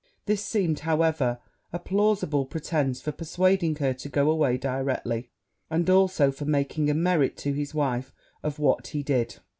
This seemed, however, a plausible pretence for persuading her to go away directly, and also for making a merit to his wife of what he did.